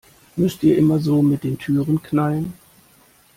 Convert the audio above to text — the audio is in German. Müsst ihr immer so mit den Türen knallen?